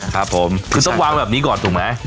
ครับผมคือต้องวางแบบนี้ก่อนถูกไหม